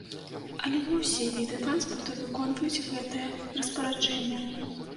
Але не ўсе віды транспарту выконваюць гэтае распараджэнне.